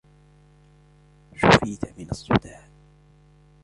شفيت من الصداع.